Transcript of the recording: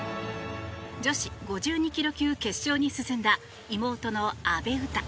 女子５２ｋｇ級決勝に進んだ妹の阿部詩。